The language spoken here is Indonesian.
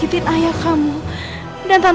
inilah tahap mbak memburu lawanmu